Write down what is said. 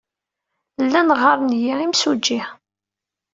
Llan ɣɣaren-iyi imsujji.